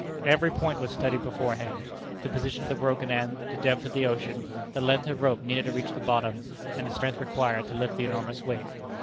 Every point was studied beforehand the position of the broken end, the depth of the ocean, the length of rope needed to reach the bottom, and the strength required to lift the enormous weight.